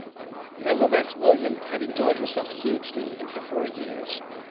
None the less William had enjoyed herself hugely in her four years.